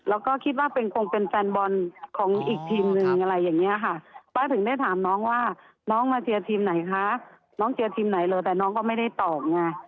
แล้วก็คิดว่าเป็นคงเป็นแฟนบอลของอีกทีมนึงอะไรอย่างนี้ค่ะป้าถึงได้ถามน้องว่าน้องมาเชียร์ทีมไหนคะน้องเชียร์ทีมไหนเหรอแต่น้องก็ไม่ได้ตอบไง